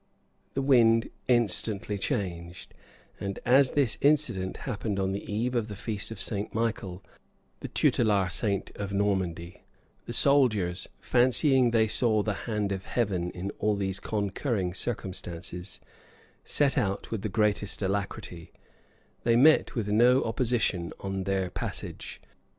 ] The wind instantly changed; and as this incident happened on the eve of the feast of St. Michael, the tutelar saint of Normandy, the soldiers, fancying they saw the hand of Heaven in all these concurring circumstances, set out with the greatest alacrity: they met with no opposition on their passage.